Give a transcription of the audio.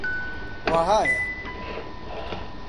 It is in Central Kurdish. وەهایە: